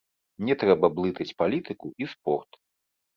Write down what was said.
Не трэба блытаць палітыку і спорт.